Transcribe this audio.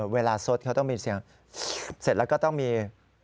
สดเขาต้องมีเสียงเสร็จแล้วก็ต้องมี